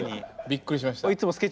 びっくりしました。